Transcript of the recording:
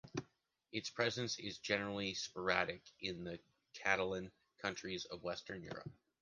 Its presence is generally sporadic in the Catalan Countries or Western Europe.